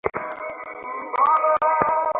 কথাটা বিশেষ কিছু নয়, তবু লাবণ্যর মুখ বিবর্ণ হয়ে গেল।